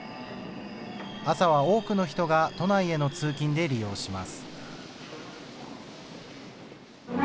朝は多くの人が都内への通勤で利用します。